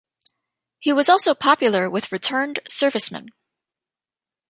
He was also popular with returned servicemen.